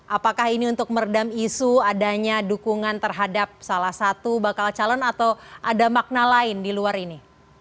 apakah ini untuk meredam isu adanya dukungan terhadap salah satu bakal calon atau ada makna lain di luar ini